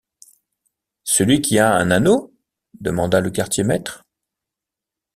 Celui qui a un anneau? demanda le quartier-maître.